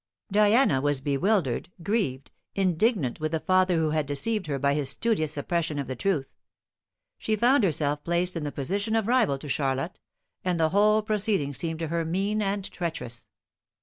Diana was bewildered, grieved, indignant with the father who had deceived her by his studious suppression of the truth. She found herself placed in the position of rival to Charlotte, and the whole proceeding seemed to her mean and treacherous.